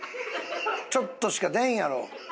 ちょっとしか出んやろ。